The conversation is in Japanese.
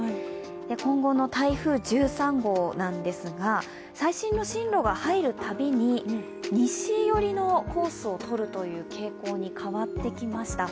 今後の台風１３号なんですが最新の進路が入るたびに西寄りのコースをとるという傾向に変わってきました。